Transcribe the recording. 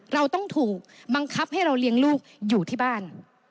เราต้องถูกบังคับให้เราเลี้ยงลูกอยู่ที่บ้าน